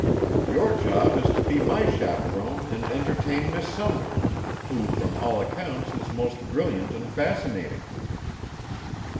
Your job is to be my chaperon and entertain Miss Sumner, who from all accounts is most brilliant and fascinating."